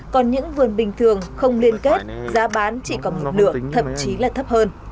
còn những vườn bình thường không liên kết giá bán chỉ còn một nửa thậm chí là thấp hơn